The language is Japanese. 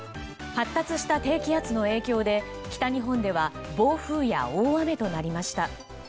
発達した低気圧の影響で北日本では暴風や大雨となりました。